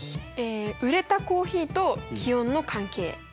売れたコーヒーと気温の関係。